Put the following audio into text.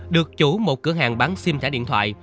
được chủ một cửa hàng bán sim trả điện thoại